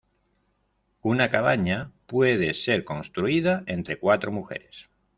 Una cabaña puede ser construida entre cuatro mujeres.